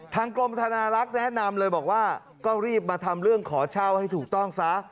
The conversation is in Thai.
กรมธนารักษ์แนะนำเลยบอกว่าก็รีบมาทำเรื่องขอเช่าให้ถูกต้องซะ